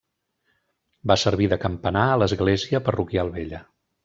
Va servir de campanar a l'església parroquial vella.